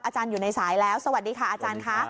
อาจารย์อยู่ในสายแล้วสวัสดีค่ะอาจารย์ค่ะ